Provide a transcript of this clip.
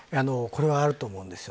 これはあると思います。